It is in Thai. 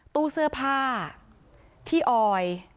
ตู้เสื้อผ้าที่ออย